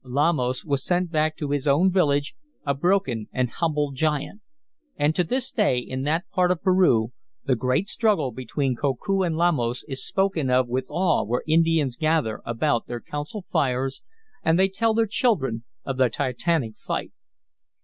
Lamos was sent back to his own village, a broken and humbled giant. And to this day, in that part of Peru, the great struggle between Koku and Lamos is spoken of with awe where Indians gather about their council fires, and they tell their children of the Titanic fight.